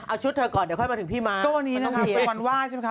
เอาชุดเธอก่อนเดี๋ยวค่อยมาถึงพี่มาวันว่ายใช่ไหมครับ